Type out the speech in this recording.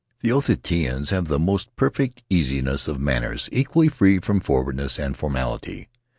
The Otaheiteans have the most perfect easiness of manners, equally free from forward ness and formality.